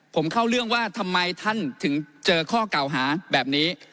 ผมเข้าเรื่องว่าทำไมท่านถึงเจอข้อเก่าหาแบบนี้